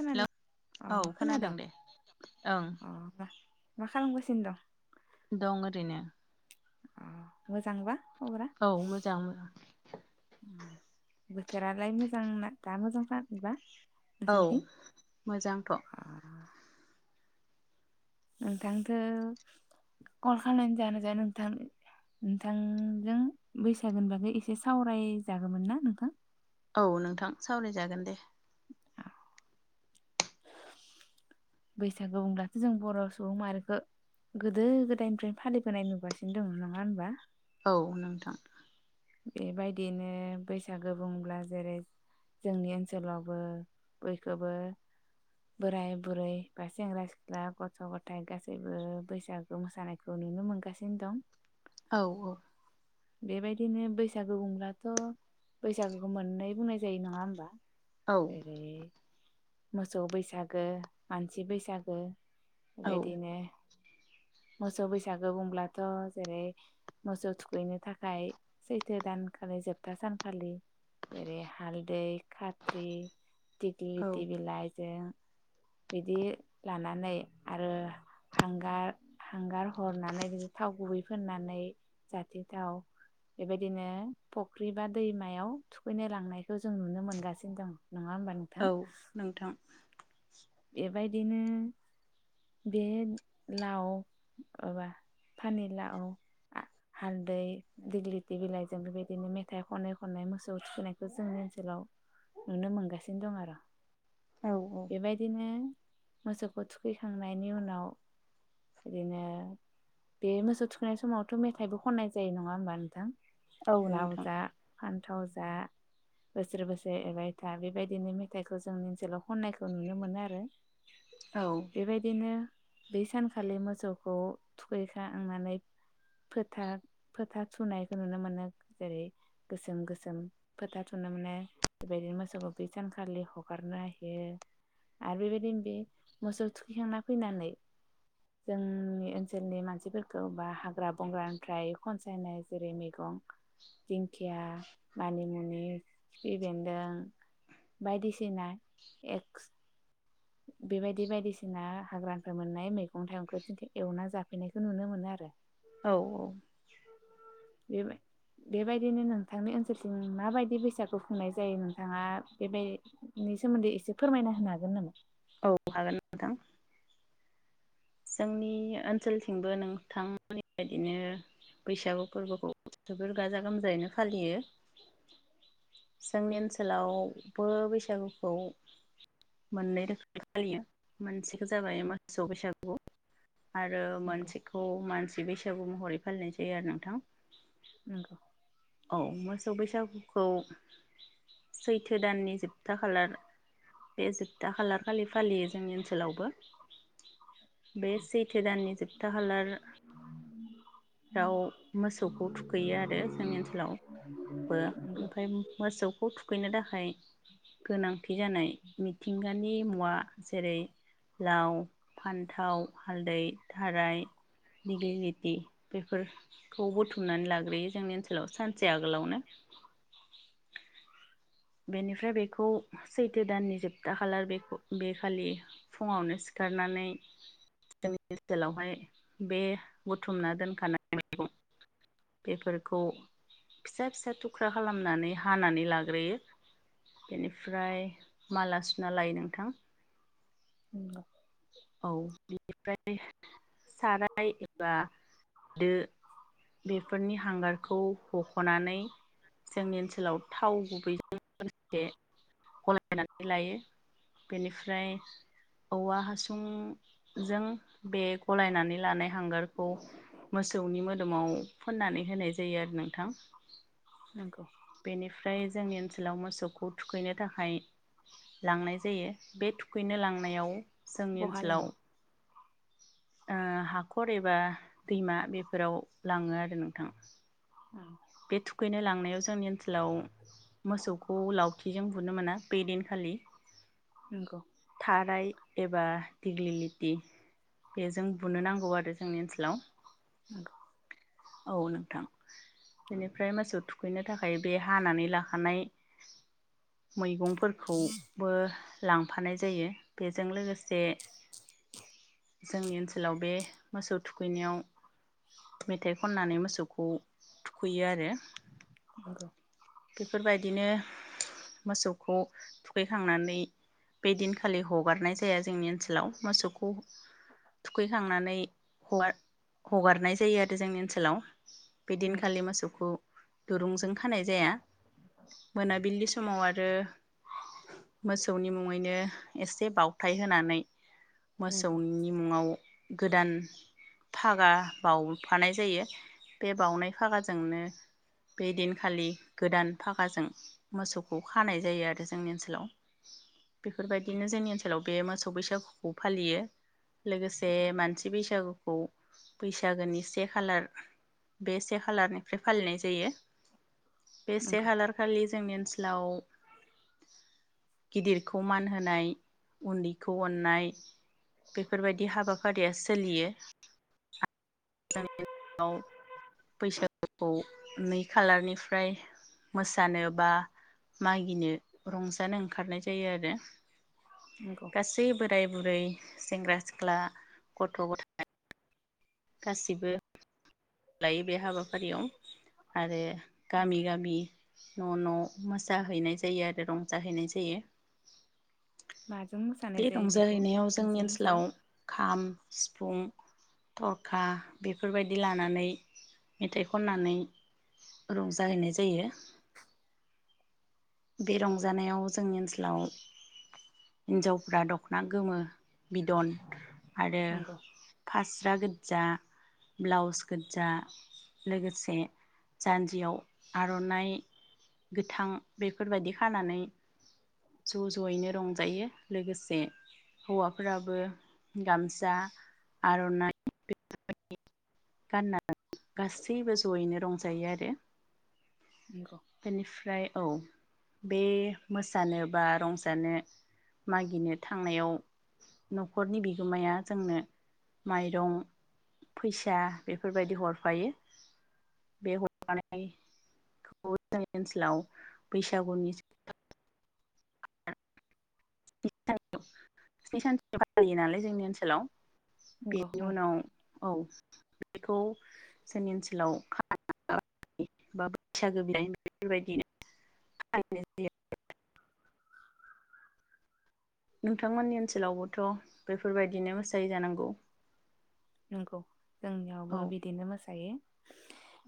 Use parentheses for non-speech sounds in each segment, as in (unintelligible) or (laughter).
हेल औ खोनादों दे ओं। अ मा मा खालामगासिनो दं? दं ओरैनो। ओम मोजांबा खबरा औ मोजां। अ बोथोरालाय मोजांना दा मोजां जादों ना औ मोजांथ' अ नोंथांखौ कल खालामनानै जानो जाया नोंथां नोंथांजों बैसागोनि बागै एसे सावरायजागौमोन ना नोंथां? औ नोंथां सावरायजागोन दे बैसागु बुंब्लाथ' जों बर' सुबुं माहारिखौ गोदो गोदायनिफ्रायनो फालिबोनाय नुगासिनो दङ नङा होनबा औ नोंथां बेबायदिनो बैसागो बुंब्ला जेरै जोंनि ओनसोलावबो बयखोबो बोराय बुरै बा सेंग्रा सिख्ला गथ गथाइ गासैबो बैसागो मोसानायखौ नुनो मोनगासिनो दं। औ औ बेबायदि बिदिनो बैसागु बुंब्लाथ बैसागुखौ मोननै बुंनाय जायो नङा होमबा औ जेरै मोसौ बैसागो मानसि बैसागो औ बेबायदिनो मोसौ बैसागो बुंब्लाथ जेरै मोसौ थुखैनो थाखाय सैथो दानखालि जोबथा सानखालि ओरै हालदै खात्रि दिगलि औ टि बिलाइ जें बिदि लानानै आरो हांगार हांगार हरनानै बिदि थाव गुबै फोननानै जाथि थाव बेबायदिनो फख्रि बा दैमायाव थुखैनो लांनायखौ जों नुनो मोनगासिनो दङ। औ नोंथां बेबायदिनो बे लाव माबा फानेलााव हालदै दिग्लिथि बिलाइजों बेबायदिनो मेथाइ खनै खनै मोसौ थुखैनायखौ जोंनि ओनसोलाव नुनो मोनगासिनो दं आरो। औ औ बेबायदि मोसौखौ थुखैखांनायनि उनाव बिदिनो बे मोसौ थुखैनाय समावथ मेथाइबो खननाय जायो नङा होमबा नोंथां? औ लाव नोंथां जा फान्थाव जा बोसोर बोसोर एरबाय था बेबायदिनो मेथाइखौ जोंनि ओनसोलाव खननायखौ नुयो नुनो मोनो आरो औ बेबायदिनो बै सानखालि मोसौखौ थुखैखांनानै फोथा फोथा थुनायखौ नुनो मोनो जेरै गोसोम गोसोम फोथा थुनो मोनो बेबायदिनो मोसौखौ बै सानखालि हगारना होयो। आरो बेबायदिनो बे मोसौ थुखैखांना फैनानै जोंनि ओनसोलनि मानसिफोरखौ बा हाग्रा बंग्रानिफ्राय खनसायनाय जेरै मैगं दिंखिया मानिमुनि खिफि बेन्दों बायदिसिना (inaudible) बेबायदि बायदिसिना हाग्रानिफ्राय मोननाय मैगं थाइगंखौ जोंखो एवना जाफैनायखौ नुनो मोनो आरो औ औ बे बेबाय बे बायदि नि नोंथांनि ओनसोलथिं माबायदि बैसागु खुंनाय जायो नोंथाङा बेबायनि सोमोन्दै एसे फोरमायना होनो हागोन नामा? औ हागोन नोंथां जोंनि ओनसोलथिंबो नोंथांमोननि बायदिनो बैसागु फोरबोखौ जोबोर गाजा गोमजायैनो फालियो जोंनि ओनसोलावबो बैसागुखौ मोननै रोखोमै फालियो मोनसेखौ जाबाय मोासौ बैसागु (unintelligible) आरो नंगौ मोनसेखौ मानसि बैसागु महरै फालिनाय जायो आरो नोंथां नंगौ औ मोसौ बैसागुखौ सैथो दाननि जोबथा खालार बे जोबथा खालार फालि फालियो जोंनि ओनसोलावबो बे सैथो दाननि जोबथा खालार राव मोसौखौ थुखैयो आरो जोंनि ओनसोलाव बो ओमफाय मोसौखौ थुखैनो थाखाय गोनांथि जानाय मिथिंगानि मुवा जेरै लाव फान्थाव हालदै थाराय दिग्लिलिटि बेफोरखौ बुथुमनानै लाग्रोयो जोंनि ओनसोलाव सानसे आगोलावनो। बेनिफ्राय बेखौ सैथो दाननि जोबथा खालार बेखौ बे खालि फुङावनो सिखारनानै जोंनि ओनसोलावहाय बे बुथुमना दोनखानाय मैगं बेफोरखौ फिसा फिसा थुख्रा खालामनानै हानानै लाग्रोयो बेनिफ्राय माला सुना लायो नोंथां। (unintelligible) औ बिनिफ्राय साराय एबा दो बेफोरनि हांगारखौ हख'नानै जोंनि ओनसोलाव थाव गुबैजों लोगोसे गलायनानै लायो बेनिफ्राय औवा हा उम जों बे गलायनानै लानाय हांगार खौ मोसौनि मोदोमाव फोन्नानै होनाय जायो आरो नोंथां। नंगौ बेनिफ्राय जोंनि ओन सोलाव मोसौखौ थुखैनो थाखाय लांनाय जायो बे थुखैनो लांनायाव जोंनि बहा लाङो ओनसोलाव ओ हाखर एबा दैमा बेफोराव लाङो आरो नोंथां। उम। बे थुखैनो लांनायाव जोंनि ओनसोलाव मोसौखौ लावथिजों बुनो मोना बै दिनखालि। नोंगौ। खाराय एबा दिग्लिलिटि बेजों बुनो नांगौ आरो जोंनि ओनसोलाव। नोंगौ। औ नोंथां। बेनिफ्राय मोसौ थुखैनो थाखाय बे हानानै लाखानाय मैगं फोरखौबो लांफानाय जायो बेजों लोगोसे जोंनि ओनसोलाव बे मोसौ थुखैनायाव मेथाइ खन्नानै मोसौखौ थुख खैयो आरो। नोंगौ। बेफोरबायदिनो मोसौखौ थुखैखांनानै बै दिनखालि हगारनाय जाया जोंनि ओनसोलाव मोसौखौ थुखैखांनानै हआर हगारनाय जायो आरो जोंनि ओनसोलाव। बिदिनख नंगौ खालि मोसौखौ दुरुंजों खानाय जाया मोनाबिलि समाव आरो मोसौनि मुङैनो एसे बावथाय होनानै नंगौ मोसौनि मुङाव गोदान फागा बावफानाय जायो बे बावनाय फागाजोंनो बे दिनखालि गोदान फागाजों मोसौखौ खानाय जायो आरो जोंनि ओनसोलाव बेफोरबायदिनो जोंनि ओनसोलाव बे मोसौ बैसागुखौ फालियो लोगोसे मानसि बैसागुखौ बैसागोनि से खालार बे से से खालारनिफ्राय फालिनाय जायो। बे से नंगौ खालारखालि जोंनि ओनसोलाव गिदिरखौ मान होनाय उन्दैखौ अननाय बेफोरबायदि हाबाफारिया सोलियो जोंनिआव बैसागुखौ नै खालारनिफ्राय मोसानो बा मागिनो रंजानो ओंखारनाय जायो आरो। नंगौ गासै बोराय बुरै सेंग्रा सिख्ला गथ' गथाय गासिबो लायो बे हाबाफारियाव आरो गामि नंगौ गामि न' न' मोसाहैनाय जायो आरो रंजाहैनाय जायो। माजों मोसानाय बे जायो बेखौ रंजाहैनायाव जोंनि नोंसोरनि ओनसोलाव खाम सिफुं थरखा बेफोरबायदि लानो मेथाइ खननानै रंजाहैनाय जायो। बे रंजानायाव जोंनि ओनसोलाव हिनजावफ्रा दख'ना गोमो बिदन आरो नंगौ फास्रा गोजा ब्लाउस गोजा लोगोसे जान्जियाव आर'नाइ गोथां बेफोरबायदि खानानै ज' ज'यैनो रंजायो लोगोसे हौवाफोराबो गामसा आर'नाइ बेफोरबायदि गाननानै गासैबो जयैनो रंजायो आरो नंगौ बेनिफ्राय औ बे मोसानो बा रंजानो मागिनो थांनायाव न'खरनि बिगोमाया जोंनो माइरं फैसा बेफोरबायदि हरफायो बे हरनाय ब जोंनि ओनसोलाव बैसागुनि सानथि फालियो नालाय जोंनि ओनसोलाव नंगौ बेनि ओं उनाव औ। बेखौ जोंनि ओनसोलाव खाबा बैसागो बि बेफोरबायदिनो खननाय जायो। नोंथांमोननि ओनसोलावबोथ' बेफोरबायदिनो मोसायै जानांगौ। नोंंगौ औ जोंनियावबो बिदिनो मोसायो।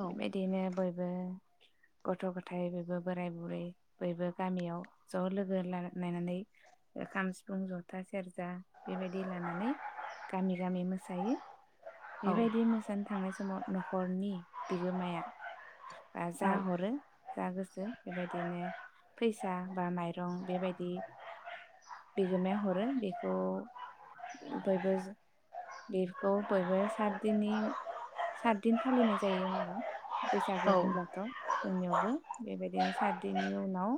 औ बेबायदिनो बयबो गथ' गथाय बयबो बोराय बुरै बयबो गामियाव ज' लोगो नायनानै खाम सिफुं जथा सेरजा बेबायदि लानानै गामि गामि मोसायो। औ बेबायदि मोसानो थांनाय समाव न'खरनि बिगोमाया जा औ हरो जा गोसो बेबायदिनो फैसा बा माइरं बेबायदि बिगोमाया हरो बेखौ बयबो बे खौ बयबो सात दिननि सातदिन फालिनाय जायो। बैसागो औ होनब्लाथ' जोंनियावबो बेबायदिनो साथदिननि उनाव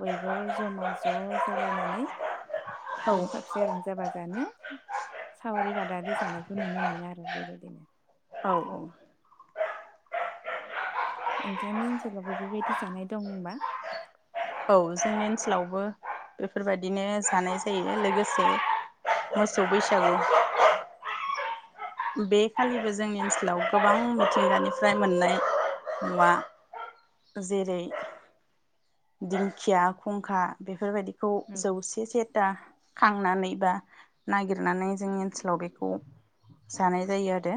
बयबो जमा ज' जालायनानै औ खेबसे रंजा बाजानो सावरि बादारि जानाय खौ नुनो मोनो आरो बेबायदिनो औ औ। नोंथांनि ओनसोलावबो बेबायदि जानाय दंबा औ जोंनि ओनसोलावबो बेफोरबायदिनो जानाय जायो लोगोसे मोसौ बैसागु बे खालिबो जोंनि ओनसोलाव गोबां मिथिंगानिफ्राय मोननाय मुवा जेरै दिंखिया खुंखा बेफोरबायदि खौ नंगौ जौसे जेद दा खांनानै बा नागिरनानै जोंनि ओनसोलाव बेखौ जानाय जायो आरो।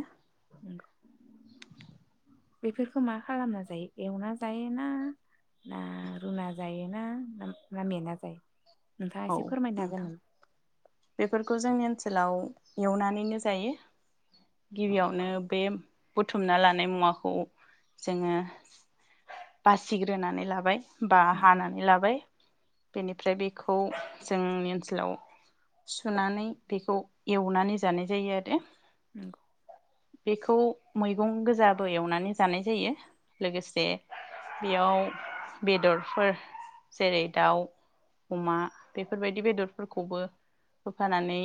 नंगौ बेफोरखौ मा खालामना जायो? एवना जायोना ना? रुना जायोना? ना मेना जायो? नोंथाङा औ एसे फोरमायनो हागोन नोंथां नामा बेफोरखौ जोंनि ओनस सोलाव एवनानैनो जायो। गिबियावनो बे बुथुमना लानाय मुवाखौ जोंङो बासिग्रोनानै लाबाय। बा नंगौ हानानै लाबाय। बेनिफ्राय बे खौ जोंनि ओनसोलाव सुनानै बेखौ एवनानै जानाय जायो आरो। नंगौ। बेखौ मैगं गोजाबो एवनानै जानाय जायो। लोगोसे बेयाव बेदरफोर जेरै दाउ, अमा बेफोरबायदि बेदरफोरखौबो होफानानै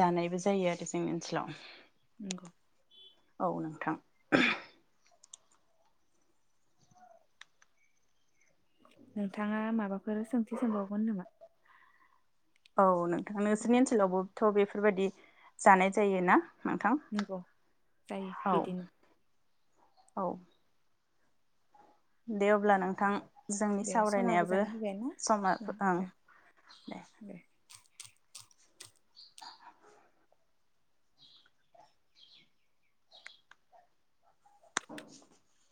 जानायबो जायो आरो जोंनि ओनसोलाव। नंगौ। औ नोंथां। नोंथाङा माबाफोर सोंथि सोंबावगोन नामा? औ नोंथां नोंसोरनि ओनसोलावबोथ' बेफोरबायदि जानाय जायोना? नंगौ जायो बिदिनो। औ। दे अब्ला नोंथां। जोंनि दे समाबो सावरायनायाबो जाना फैबाय ना समा ओं दे (unintelligible)